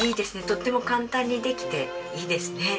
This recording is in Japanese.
とても簡単にできていいですね。